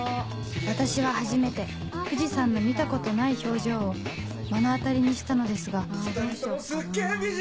私は初めて藤さんの見たことない表情を目の当たりにしたのですが・２人ともすっげぇ美人！